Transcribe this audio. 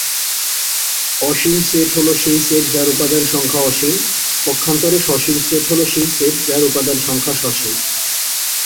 অসীম set হল সেই set যার উপাদান সংখ্যা অসীম, পক্ষান্তরে সসীম সেট হল সেই সেট যার উপাদান সংখ্যা সসীম।